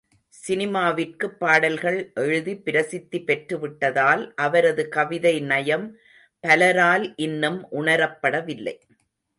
சினிமாவிற்குப் பாடல்கள் எழுதி பிரசித்தி பெற்றுவிட்டதால், அவரது கவிதை நயம் பலரால் இன்னும் உணரப்படவில்லை.